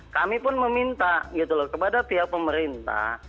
kami pun meminta kepada pihak pemerintah